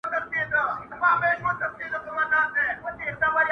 د خلګو او موټرانو ازدحام پکښي کم وو.